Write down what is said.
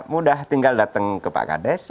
mudah tinggal datang ke pak kades